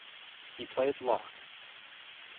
He played lock.